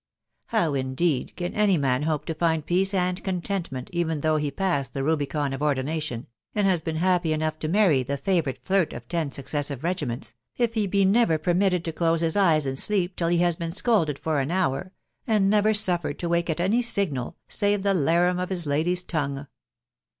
How, indeed, can any man hope to find peace and contentment, even though he has passed the rubicon of ordination, and has been happy enough to marry the favourite flirt of ten suc cessive regiments, if he be never permitted to close his eyes in sleep till he has been scolded for an hour, and never suffered to wake at any signal, save the larum of his lady's tongue.